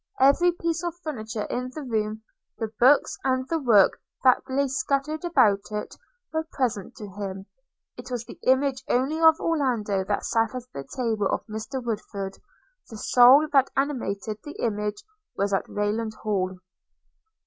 Every piece of furniture in the room, the books, and the work that lay scattered about it, were present to him. It was the image only of Orlando that sat at the table of Mr Woodford; the soul that animated that image was at Rayland Hall.